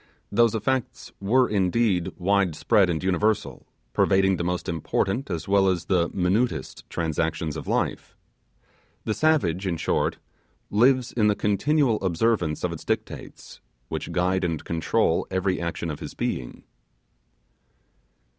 Those effects were, indeed, wide spread and universal, pervading the most important as well as the minutest transactions of life. The savage, in short, lives in the continual observance of its dictates, which guide and control every action of his being.